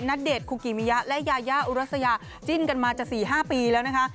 ณเดชนคุกิมิยะและยายาอุรัสยาจิ้นกันมาจะ๔๕ปีแล้วนะคะ